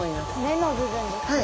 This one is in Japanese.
目の部分ですね。